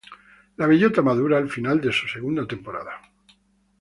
La bellota madura al final de su segunda temporada.